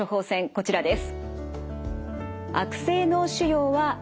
こちらです。